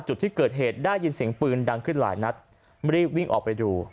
จุดที่เกิดเหตุได้ยินเสียงปืนดังขึ้นหลายนัดรีบวิ่งออกไปดู